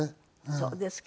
そうですか。